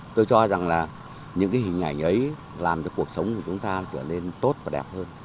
tôi cho rằng là những cái hình ảnh ấy làm cho cuộc sống của chúng ta trở nên tốt và đẹp hơn